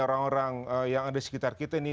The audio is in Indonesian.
orang orang yang ada di sekitar kita ini